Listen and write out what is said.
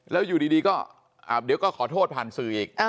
แล้วอยู่ดีก็เดี๋ยวก็ขอโทษผ่านสื่ออีก